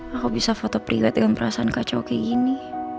aku bisa foto prilate dengan perasaan kacau kayak gini